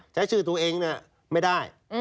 ใช้ชื่อตัวเองไม่ได้